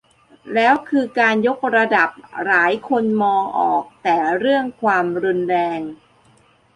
แล้วคือการยกระดับหลายคนมองออกแต่เรื่องความรุนแรง